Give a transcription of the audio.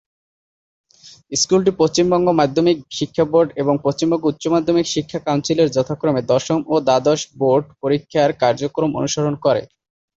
স্কুলটি পশ্চিমবঙ্গ মাধ্যমিক শিক্ষা বোর্ড এবং পশ্চিমবঙ্গ উচ্চ মাধ্যমিক শিক্ষা কাউন্সিলের যথাক্রমে দশম ও দ্বাদশ বোর্ড পরীক্ষার পাঠ্যক্রম অনুসরণ করে।